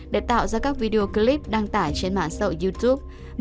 để tạo ra các video clip đăng tải trên mạng xã youtube